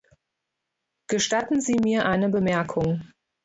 Gestatten sie mir eine Bemerkung.